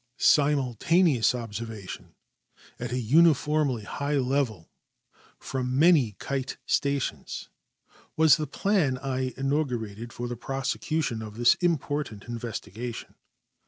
Simultaneous observations at a uniformly high level from many kite stations was the plan I inaugurated for the pros ecution of this important investigation.